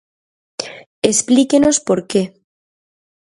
Explíquenos por que.